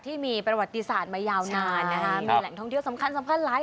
ที่มีประวัติศาสตร์มายาวนานนะคะมีแหล่งท่องเที่ยวสำคัญสำคัญหลาย